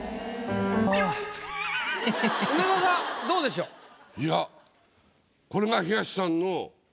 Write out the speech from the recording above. どうでしょう？いや。